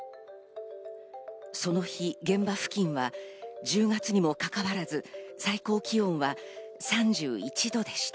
その日、現場付近は１０月にもかかわらず最高気温は３１度でした。